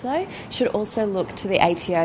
mereka juga harus melihat ato